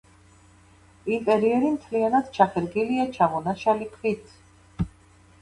ინტერიერი მთლიანად ჩახერგილია ჩამონაშალი ქვით.